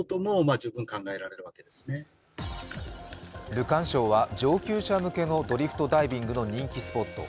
ルカン礁は上級者向けのドリフトダイビングの人気スポット。